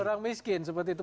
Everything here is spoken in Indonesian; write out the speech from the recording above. orang miskin seperti itu